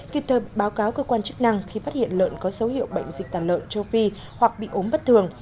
kịp thời báo cáo cơ quan chức năng khi phát hiện lợn có dấu hiệu bệnh dịch tàn lợn châu phi hoặc bị ốm bất thường